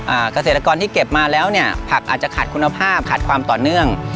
เกษตรกรที่เก็บมาแล้วเนี่ยผักอาจจะขาดคุณภาพขาดความต่อเนื่อง